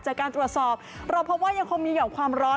จากการตรวจสอบเราพบว่ายังคงมีห่อมความร้อน